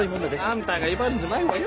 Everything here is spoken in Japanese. あんたが威張るんじゃないわよ。